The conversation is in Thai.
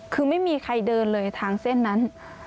คือไม่มีใครเดินเลยทางเส้นนั้น